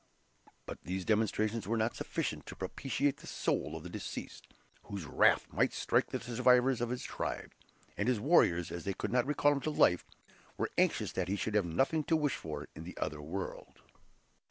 But these demonstrations were not sufficient to propitiate the soul of the deceased, whose wrath might strike the survivors of his tribe; and his warriors, as they could not recall him to life, were anxious that he should have nothing to wish for in the other world.